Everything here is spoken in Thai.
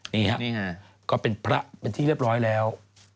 นี่ฮะก็เป็นพระเป็นที่เรียบร้อยแล้ว